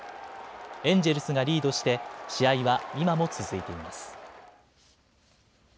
エンジェルスがリードして試合は今も続いています。